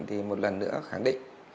thì một lần nữa khẳng định